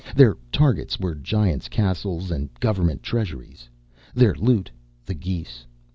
Their targets were Giants' castles and government treasuries; their loot, the geese.